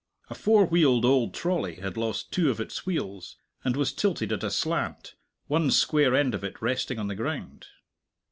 A four wheeled old trolley had lost two of its wheels, and was tilted at a slant, one square end of it resting on the ground.